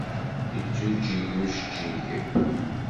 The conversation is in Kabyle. Yeǧǧuǧeg ujeǧǧig.